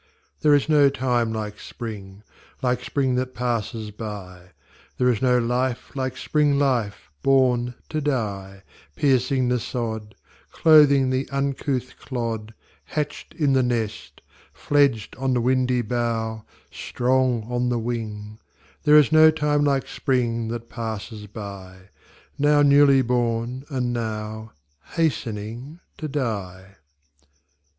There is no time like Spring, Like Spring that passes by; There is no life like Spring life born to die, Piercing the sod, Clothing the uncouth clod, Hatched in the nest, Fledged on the windy bough, Strong on the wing: There is no time like Spring that passes by, Now newly born, and now Hastening to die.